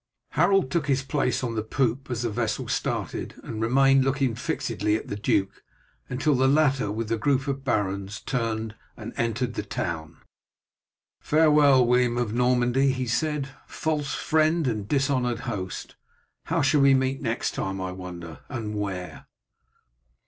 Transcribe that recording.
Harold took his place on the poop as the vessel started, and remained looking fixedly at the duke, until the latter with the group of barons turned and entered the town. "Farewell, William of Normandy," he said; "false friend and dishonoured host. How shall we meet next time, I wonder, and where?"